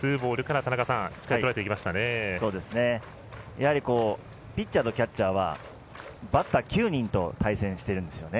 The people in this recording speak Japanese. やはりピッチャーとキャッチャーはバッター９人と対戦してるんですよね。